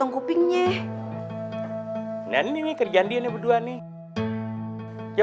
enggak terjadi apa apa kan bang